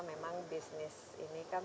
memang bisnis ini kan